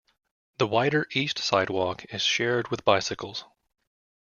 The wider east sidewalk is shared with bicycles.